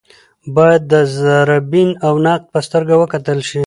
باید د ذره بین او نقد په سترګه وکتل شي